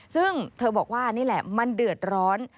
ซึ่งเธอบอกว่านี่แหละมันเดือดร้อน